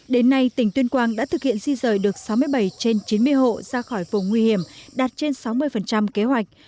đến nay tỉnh tuyên quang đã thực hiện di rời được sáu mươi bảy trên chín mươi hộ ra khỏi vùng nguy hiểm đạt trên sáu mươi kế hoạch